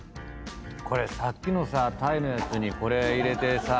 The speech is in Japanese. さっきのさ鯛のやつにこれ入れてさ。